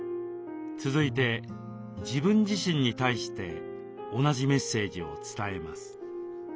続いて自分自身に対して同じメッセージを伝えます。